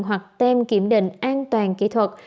hoặc tem kiểm định an toàn kỹ thuật